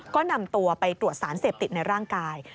ก็นำตัวไปตรวจสารเสพติดในร่างกาย